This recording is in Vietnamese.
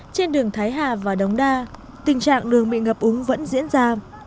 trên đường thái hà và đống đa tình trạng đường bị ngập úng vẫn diễn ra